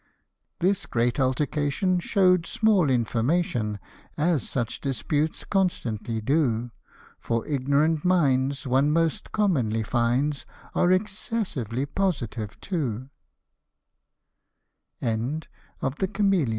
This great altercation show'd small information, As such disputes constantly do ; For ignorant minds, one most commonly finds, Are excessively pos